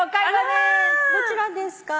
どちらですか？